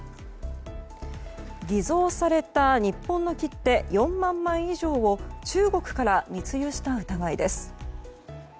偽造された日本の切手４万枚以上を中国から密輸した疑いです。